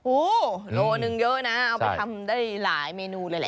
โลหนึ่งเยอะนะเอาไปทำได้หลายเมนูเลยแหละ